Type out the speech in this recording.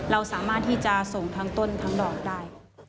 เราสามารถที่จะส่งทั้งต้นทั้งดอกได้